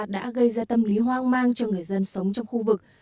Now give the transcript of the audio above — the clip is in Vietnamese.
đã gây ra tâm lý hoang mang cho người dân sống trong khu vực